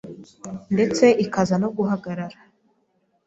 ndetse ikaza no guhagarara